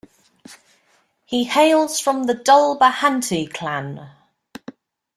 He hails from the Dhulbahante clan.